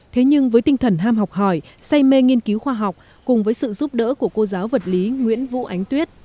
thế nhưng với tinh thần ham học hỏi say mê nghiên cứu khoa học cùng với sự giúp đỡ của cô giáo vật lý nguyễn vũ ánh tuyết